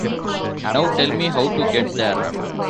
Now tell me how to get there.